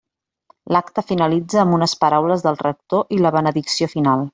L'acte finalitza amb unes paraules del rector i la benedicció final.